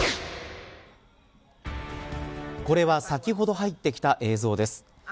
これは先ほど入ってきた映像です。